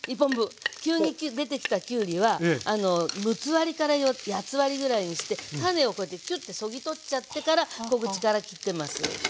急に出てきたきゅうりは六つ割りから八つ割りぐらいにして種をこうやってチョッてそぎ取っちゃってから小口から切ってます。